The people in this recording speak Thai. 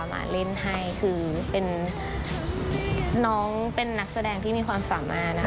มาเล่นให้คือเป็นน้องเป็นนักแสดงที่มีความสามารถนะคะ